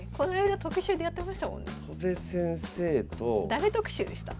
誰特集でした？